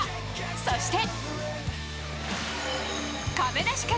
そして。